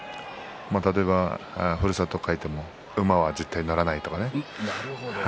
例えば、ふるさとに帰っても馬には絶対乗らないとか。